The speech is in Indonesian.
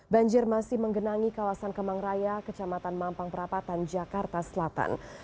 banjir masih menggenangi kawasan kemang raya kecamatan mampang perapatan jakarta selatan